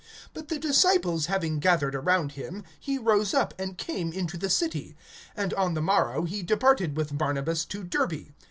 (20)But the disciples having gathered around him, he rose up, and came into the city; and on the morrow he departed with Barnabas to Derbe.